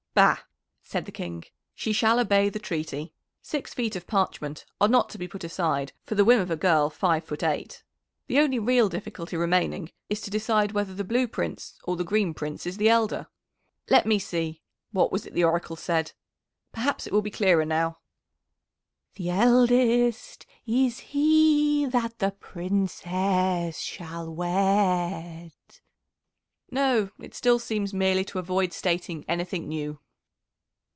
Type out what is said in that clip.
"Bah!" said the King, "she shall obey the treaty. Six feet of parchment are not to be put aside for the whim of a girl five foot eight. The only real difficulty remaining is to decide whether the Blue Prince or the Green Prince is the elder. Let me see what was it the Oracle said? Perhaps it will be clearer now: "'The eldest is he that the Princess shall wed.' "No, it still seems merely to avoid stating anything new."